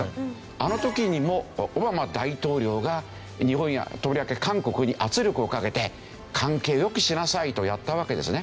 あの時にもオバマ大統領が日本やとりわけ韓国に圧力をかけて関係を良くしなさいとやったわけですね。